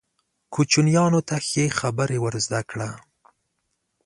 کوچنیانو ته ښې خبرې ور زده کړه.